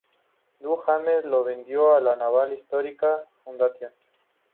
Du Hamel, los vendió a la Naval Historical Foundation.